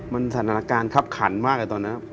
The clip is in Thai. มันสถานการณ์คับขันมากเลยตอนนั้น